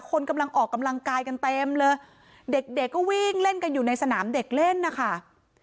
คนกำลังออกกำลังกายกันเต็มเลยเด็กเด็กก็วิ่งเล่นกันอยู่ในสนามเด็กเล่นนะคะ